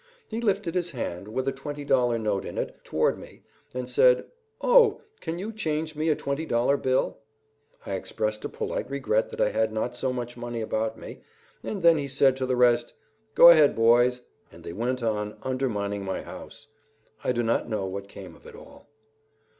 He lifted his hand, with a twenty dollar note in it, toward me, and said: "Oh! Can you change me a twenty dollar bill?" I expressed a polite regret that I had not so much money about me, and then he said to the rest, "Go ahead, boys," and they went on undermining my house. I do not know what came of it all.